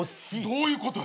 どういうことよ。